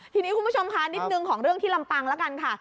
ทีนี้คุณผู้ชมค่ะนิดนึงของเรื่องที่ลำปางแล้วกันค่ะ